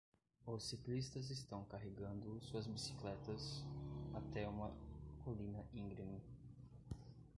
Os ciclistas estão carregando suas bicicletas até uma colina íngreme.